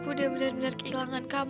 aku udah bener bener kehilangan kamu ter